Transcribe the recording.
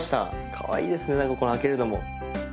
かわいいですね何かこの開けるのも。